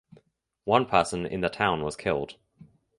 One person in the town was killed.